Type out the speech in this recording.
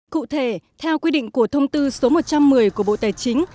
cụ thể theo quy định của thông tư số một trăm một mươi của bộ tài chính